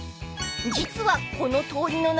［実はこの通りの名前